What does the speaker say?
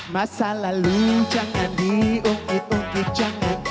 masa lalu jangan diungkit ungkit jangan